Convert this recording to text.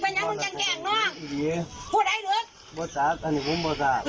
มันเป็นวันเรียงมันเป็นวันเรียง